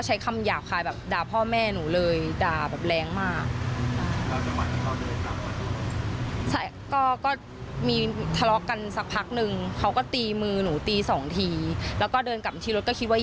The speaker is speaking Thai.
จังหวัดตอนที่เขาเปิดประตูลงมาพอดี